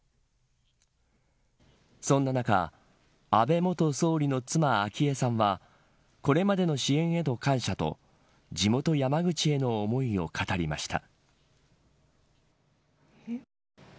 そんな中、安倍元総理の妻昭恵さんはこれまでの支援への感謝と地元山口への思いを語りました。